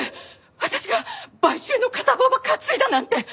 私が買収の片棒ば担いだなんて。